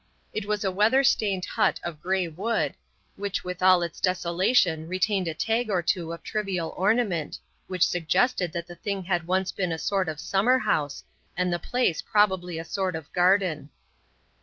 It was a weather stained hut of grey wood, which with all its desolation retained a tag or two of trivial ornament, which suggested that the thing had once been a sort of summer house, and the place probably a sort of garden.